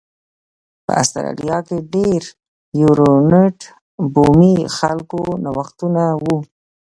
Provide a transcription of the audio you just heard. په اسټرالیا کې د یر یورونټ بومي خلکو نوښتونه و